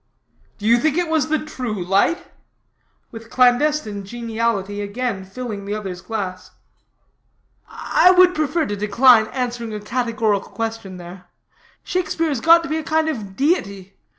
"Do you think it was the true light?" with clandestine geniality again filling the other's glass. "I would prefer to decline answering a categorical question there. Shakespeare has got to be a kind of deity.